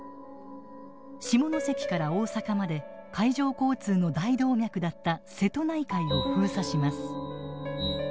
下関から大坂まで海上交通の大動脈だった瀬戸内海を封鎖します。